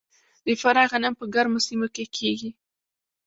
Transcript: د فراه غنم په ګرمو سیمو کې کیږي.